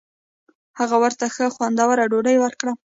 هغه ورته ښه خوندوره ډوډۍ ورکړه.